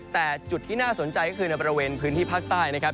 แต่จุดที่น่าสนใจก็คือในบริเวณพื้นที่ภาคใต้นะครับ